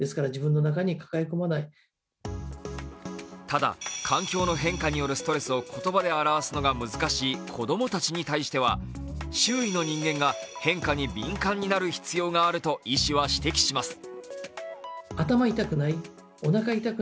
ただ、環境の変化によるストレスを言葉で表すのが難しい子供たちに対しては周囲の人間が、変化に敏感になる必要があると医師は指摘します。